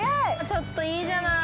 ◆ちょっといいじゃない。